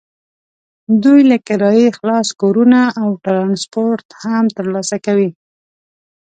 دوی له کرایې خلاص کورونه او ټرانسپورټ هم ترلاسه کوي.